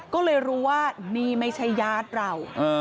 ก็เลยรู้ว่านี่ไม่ใช่ญาติเรา